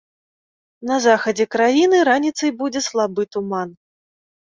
На захадзе краіны раніцай будзе слабы туман.